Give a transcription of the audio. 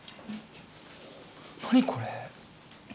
何これ。